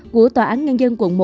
của tòa án ngân dân quận một